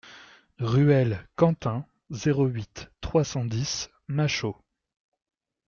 Ruelle Quentin, zéro huit, trois cent dix Machault